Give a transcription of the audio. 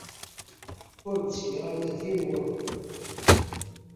Ur d-ttiniɣ ula d yiwen n wawal.